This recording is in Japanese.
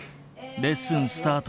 レッスンスタート。